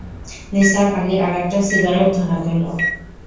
নিসার আলি আরেকটা সিগারেট ধরালেন।